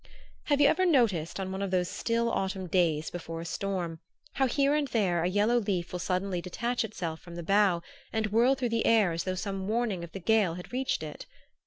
Have you ever noticed, on one of those still autumn days before a storm, how here and there a yellow leaf will suddenly detach itself from the bough and whirl through the air as though some warning of the gale had reached it?